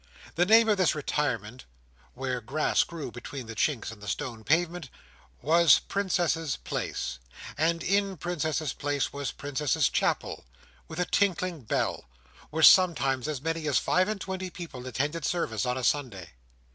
The name of this retirement, where grass grew between the chinks in the stone pavement, was Princess's Place; and in Princess's Place was Princess's Chapel, with a tinkling bell, where sometimes as many as five and twenty people attended service on a Sunday.